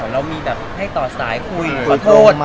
เรามีแบบให้ต่อสายคุยขอโทษ